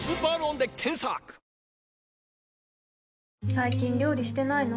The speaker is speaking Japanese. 最近料理してないの？